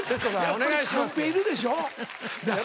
お願いしますよ。